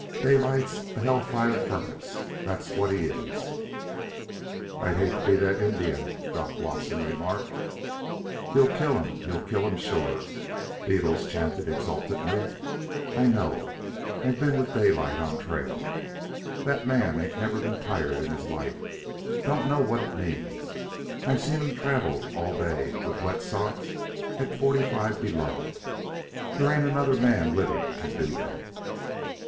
Daylight's a hell fire furnace, that's what he is." "I'd hate to be that Indian," Doc Watson remarked. "He'll kill'm, he'll kill'm sure," Bettles chanted exultantly. "I know. I've ben with Daylight on trail. That man ain't never ben tired in his life. Don't know what it means. I seen him travel all day with wet socks at forty five below. There ain't another man living can do that."